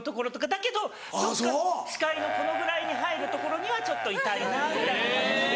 だけどどっか視界のこのぐらいに入る所にはちょっといたいなぐらいな感じで。